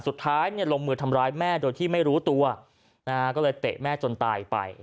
สุดท้ายเนี่ยลงมือทำร้ายแม่โดยที่ไม่รู้ตัวนะฮะก็เลยเตะแม่จนตายไป